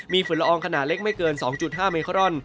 มีฝุ่นละอองขนาดเล็กไม่เกิน๒๕เมครอน